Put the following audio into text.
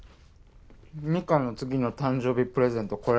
美香の次の誕生日プレゼント